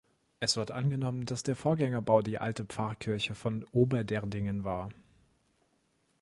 Es wird angenommen, dass der Vorgängerbau die alte Pfarrkirche von Oberderdingen war.